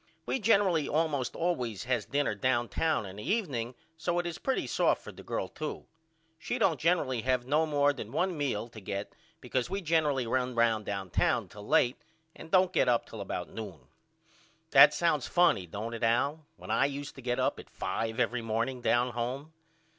We generally almost always has dinner downtown in the evening so it is pretty soft for the girl too. She don't generally have no more than one meal to get because we generally run round downtown till late and don't get up till about noon. That sounds funny don't it Al, when I used to get up at 5 every morning down home.